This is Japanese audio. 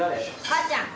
母ちゃん！